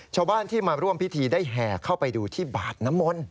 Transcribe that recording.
ชาวบ้านที่มาร่วมพิธีได้แห่เข้าไปดูที่บาดน้ำมนต์